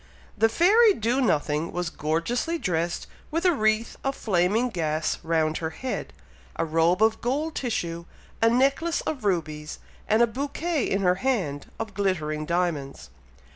The fairy Do nothing was gorgeously dressed with a wreath of flaming gas round her head, a robe of gold tissue, a necklace of rubies, and a bouquet in her hand, of glittering diamonds.